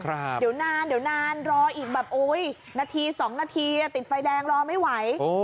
เดี๋ยวนานเดี๋ยวนานรออีกแบบโอ้ยนาทีสองนาทีติดไฟแดงรอไม่ไหว